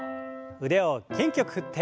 腕を元気よく振って。